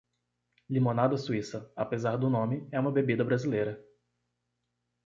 Limonada suíça, apesar do nome, é uma bebida brasileira.